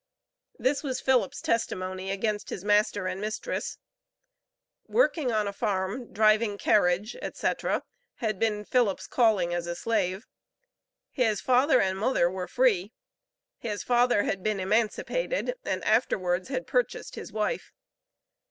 This was Philip's testimony against his master and mistress. Working on a farm, driving carriage, etc., had been Philip's calling as a slave. His father and mother were free. His father had been emancipated, and afterwards had purchased his wife.